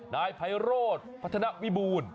นายไพโรธพัฒนาวิบูรณ์